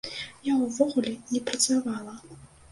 Я ўвогуле не працавала.